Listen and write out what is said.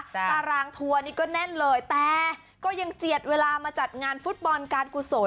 ตารางทัวร์นี่ก็แน่นเลยแต่ก็ยังเจียดเวลามาจัดงานฟุตบอลการกุศล